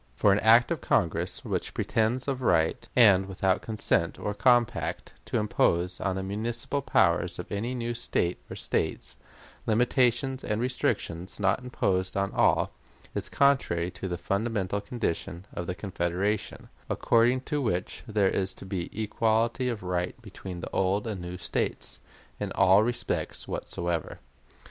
For an act of Congress which pretends of right, and without consent or compact, to impose on the municipal power of any new State or States limitations and restrictions not imposed on all, is contrary to the fundamental condition of the Confederation, according to which there is to be equality of right between the old and new States 'in all respects whatsoever.'"